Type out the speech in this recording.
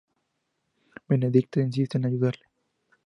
Benedicta insiste en ayudarle.